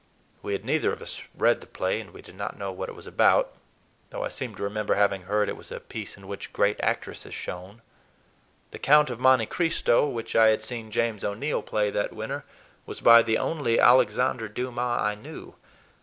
We had neither of us read the play, and we did not know what it was about—though I seemed to remember having heard it was a piece in which great actresses shone. "The Count of Monte Cristo," which I had seen James O'Neill play that winter, was by the only Alexandre Dumas I knew.